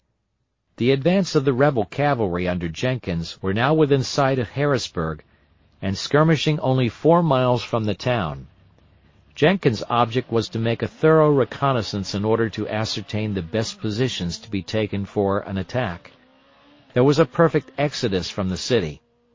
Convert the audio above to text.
The advance of the rebel cavalry under Jenkins were now within sight of Harrisburg, and skirmishing only four miles from the town. Jenkins' object was to make a thorough reconnoissance in order to ascertain the best positions to be taken for an attack. There was a perfect exodus from the city.